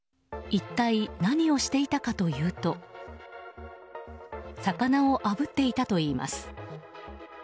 一体、何をしていたかというと魚をあぶっていたといいます。